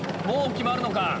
もう決まるのか？